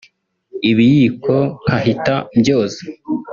ibiyiko nkahita mbyoza